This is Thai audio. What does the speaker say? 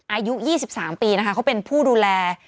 อายุ๒๓ปีนะคะเขาเป็นผู้ดูแล